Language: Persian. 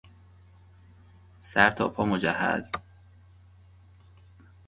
سرتاپا مجهز